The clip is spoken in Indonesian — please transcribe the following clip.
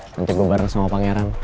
nanti gue bareng sama pangeran